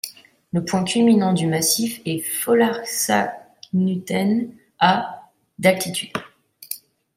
Le point culminant du massif est Folarskardnuten à d'altitude.